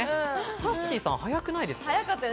さっしーさん、早くないですか？